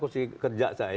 kursi kerja saya